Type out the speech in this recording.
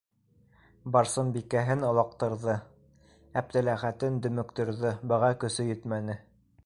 Барсынбикәһен олаҡтырҙы, Әптеләхәтен дөмөктөрҙө - быға көсө етмәне.